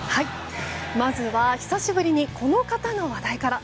まずは久しぶりにこの方の話題から。